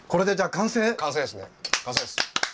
完成です。